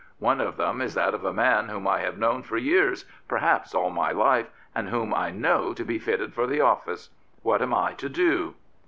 One of them is that of a man whom I have known for years, perhaps all my life, and whom I know to be fitted for the office. What am I to do